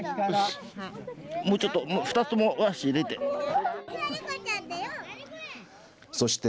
もうちょっと２つとも足入れて。